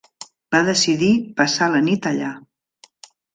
Va decidir passar la nit allà.